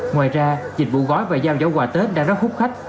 ngoài ra dịch vụ gói và giao giỏ quà tết đã rất hút khách